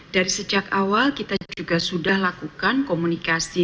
dari sejak awal kita juga sudah lakukan komunikasi